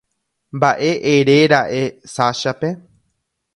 Mba'e eréra'e Sashape.